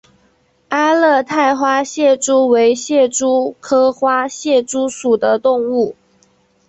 阿勒泰花蟹蛛为蟹蛛科花蟹蛛属的动物。